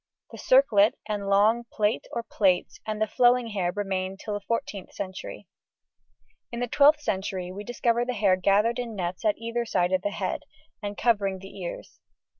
The circlet and long plait or plaits and the flowing hair remained till the 14th century. In the 12th century we discover the hair gathered in nets at either side of the head, covering the ears.